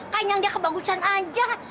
kayaknya dia kebagusan aja